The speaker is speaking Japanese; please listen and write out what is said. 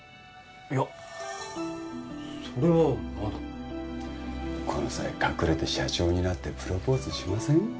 いやそれはまだこの際隠れて社長になってプロポーズしません？